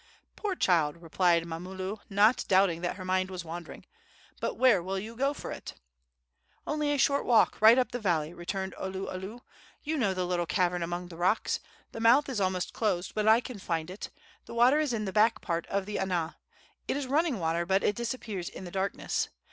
"Poor child!" replied Mamulu, not doubting that her mind was wandering. "But where will you go for it?" "Only a short walk right up the valley!" returned Oluolu. "You know the little cavern among the rocks. The mouth is almost closed, but I can find it. The water is in the back part of the ana. It is running water, but it disappears in the darkness.